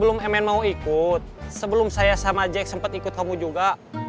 belum mn mau ikut sebelum saya sama jack sempat ikut kamu juga